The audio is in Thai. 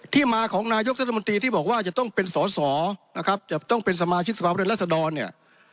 มาของนายกรัฐมนตรีที่บอกว่าจะต้องเป็นสอสอนะครับจะต้องเป็นสมาชิกสภาพฤทธรรัศดรเนี่ย